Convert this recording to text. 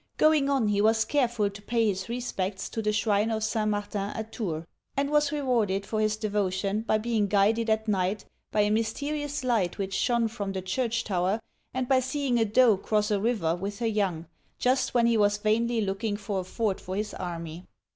Going on, he was careful to pay his respects to the shrine of St. Martin at Tours, and was rewarded for his devotion by being guided at Digitized by Google CLOVIS (481 511) 53 night by a mysterious light which shone from the church tower, and by seeing a doe cross a river with her young, just when he was Vainly looking for .a ford for his army.